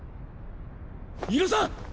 猪野さん！